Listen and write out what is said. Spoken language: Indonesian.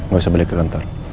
gak usah balik ke kantor